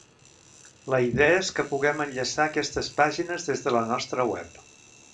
La idea és que puguem enllaçar a aquestes pàgines des de la nostra web.